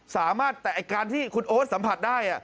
สามารถแต่การที่คุณโอ๊ตสัมผัสได้